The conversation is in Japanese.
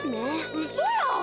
うそやん。